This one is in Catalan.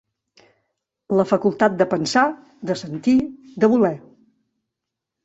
La facultat de pensar, de sentir, de voler.